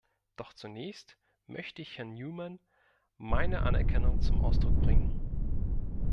Doch zunächst möchte ich Herrn Newman meine Anerkennung zum Ausdruck bringen.